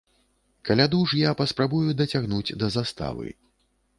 Каляду ж я паспрабую дацягнуць да заставы.